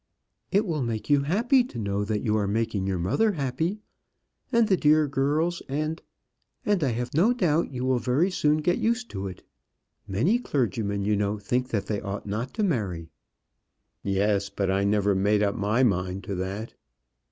"It will make you happy to know that you are making your mother happy, and the dear girls and and I have no doubt you will very soon get used to it. Many clergymen, you know, think that they ought not to marry." "Yes; but I never made up my mind to that."